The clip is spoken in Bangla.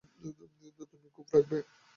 তুমি গোঁফ রাখবে!